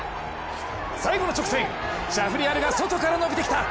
最後の直線、シャフリヤールが外から伸びてきた！